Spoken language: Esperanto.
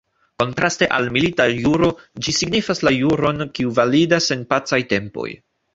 Kontraste al "milita juro" ĝi signifas la juron, kiu validas en pacaj tempoj.